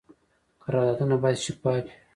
قراردادونه باید شفاف وي